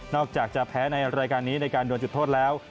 อกจากจะแพ้ในรายการนี้ในการดวนจุดโทษแล้ว